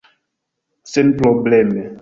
senprobleme